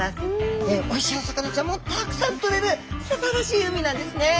おいしいお魚ちゃんもたくさんとれるすばらしい海なんですね。